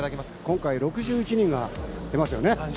今回、６１人が出ますよね。